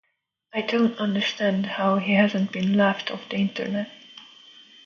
I don't understand how he hasn't been laughed off the internet.